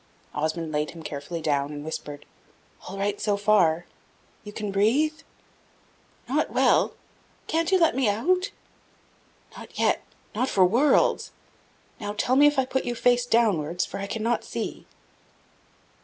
Osmond laid him carefully down, and whispered "All right so far. You can breathe?" "Not well. Can't you let me out?" "Not yet not for worlds. Now tell me if I put you face downwards, for I cannot see."